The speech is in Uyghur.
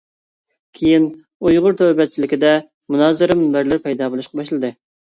كىيىن ئۇيغۇر تور بەتچىلىكىدە مۇنازىرە مۇنبەرلىرى پەيدا بولۇشقا باشلىدى.